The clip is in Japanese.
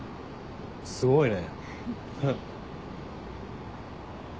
すごいね。